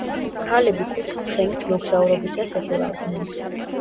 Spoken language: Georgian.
ქალები ქუდს ცხენით მოგზაურობისას იხურავდნენ.